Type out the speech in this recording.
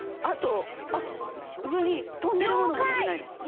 あとあっうえにとんでるものもたべないで。